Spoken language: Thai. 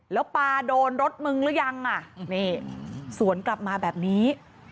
แล้วปลาโดนรถมึงหรือยังอ่ะนี่สวนกลับมาแบบนี้